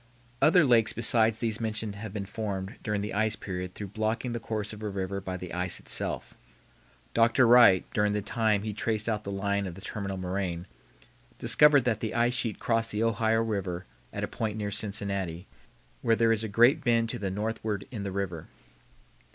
Other lakes besides these mentioned have been formed during the ice period through blocking the course of a river by the ice itself. Dr. Wright, during the time he traced out the line of the terminal moraine, discovered that the ice sheet crossed the Ohio River at a point near Cincinnati, where there is a great bend to the northward in the river.